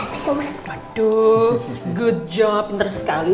bagus pintar sekali